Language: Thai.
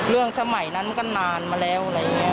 เรื่องสมัยนั้นก็นานมาแล้ว